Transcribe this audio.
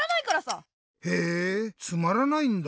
へえつまらないんだ。